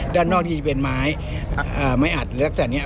ด้านนอกที่เป็นไม้ไม้อัดหรือลักษณะอย่างเงี้ย